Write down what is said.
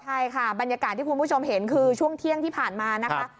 ใช่ค่ะบรรยากาศที่คุณผู้ชมเห็นคือช่วงเที่ยงที่ผ่านมานะคะ